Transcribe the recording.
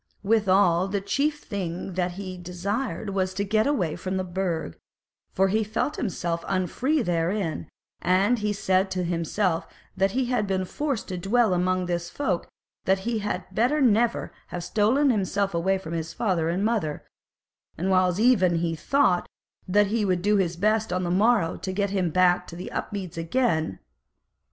Withal the chief thing that he desired was to get him away from the Burg, for he felt himself unfree therein; and he said to himself that if he were forced to dwell among this folk, that he had better never have stolen himself away from his father and mother; and whiles even he thought that he would do his best on the morrow to get him back home to Upmeads again.